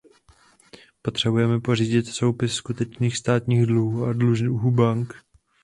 Potřebujeme pořídit soupis skutečných státních dluhů a dluhů bank.